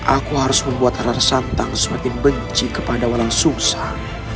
aku harus membuat rarsantang semakin benci kepada walang susah